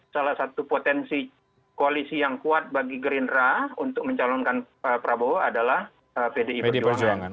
salah satu potensi koalisi yang kuat bagi gerindra untuk mencalonkan prabowo adalah pdi perjuangan